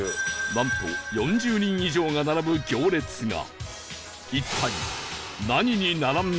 なんと４０人以上が並ぶ行列が